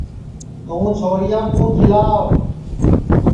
توں چھوریا کُو کھیلاو